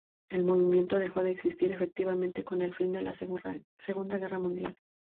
El movimiento dejó de existir efectivamente con el fin de la Segunda Guerra Mundial.